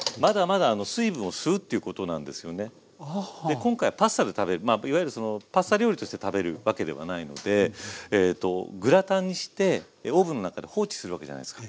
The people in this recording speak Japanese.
今回はパスタで食べるいわゆるそのパスタ料理として食べるわけではないのでグラタンにしてオーブンの中で放置するわけじゃないですか。